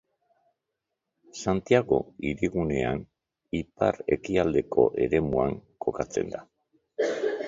Santiago Hirigunearen ipar-ekialdeko eremuan kokatzen da.